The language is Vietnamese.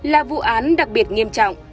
là vụ án đặc biệt nghiêm trọng